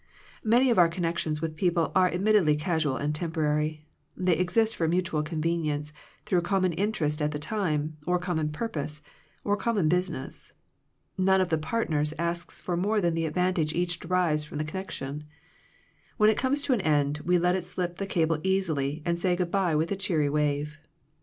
Many of our connections with people are admittedly casual and temporary. They exist for mutual convenience through common interest at the time, or common purpose, or common business. None of the partners asks for more than the advantage each derives from the con nection. When it comes to an end, we let slip the cable easily, and say good bye with a cheery wave.